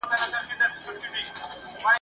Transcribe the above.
کشکي نه وای له دې قامه نه شاعر وای نه لوستونکی !.